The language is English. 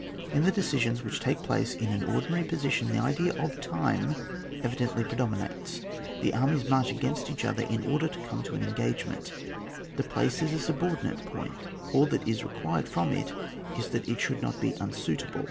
In the decisions which take place in an ordinary position, the idea of time evi dently predominates ; the armies march against each other in order to come to an engagement : the place is a subordi nate point, all that is required from it is that it should not be unsuitable.